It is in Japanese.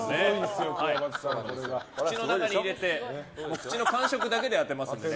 口の中に入れてお口の感触だけで当てますからね。